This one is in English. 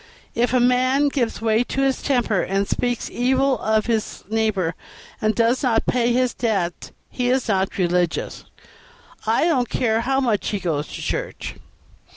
If a man gives way to his temper, and speaks evil of his neighbor, and does not pay his debts, he is not religious, I don't care how much he goes to church.